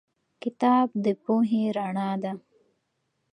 کتاب د پوهې رڼا ده.